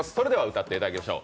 歌っていただきましょう。